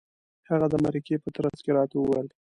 هغه د مرکې په ترڅ کې راته وویل.